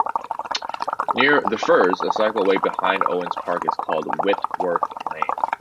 Near 'The Firs' a cycleway behind Owens Park is called Whitworth Lane.